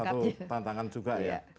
itu salah satu tantangan juga ya